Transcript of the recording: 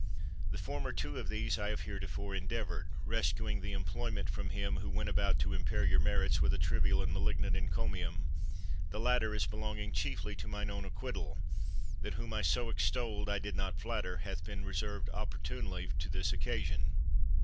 The former two of these I have heretofore endeavored, rescuing the employment from him who went about to impair your merits with a trivial and malignant encomium; the latter as belonging chiefly to mine own acquittal, that whom I so extolled I did not flatter, hath been re served opportunely to this occasion.